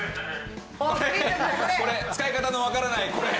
これ使い方のわからないこれ。